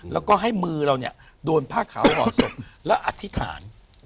แล้วก็ให้มือเราเนี่ยโดนผ้าขาวหล่อศพแล้วอธิษฐาน